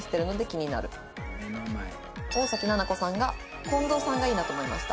大崎菜々子さんが「こんどうさんがいいなと思いました」